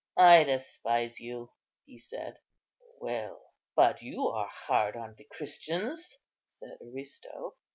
"I despise you," he said. "Well, but you are hard on the Christians," said Aristo.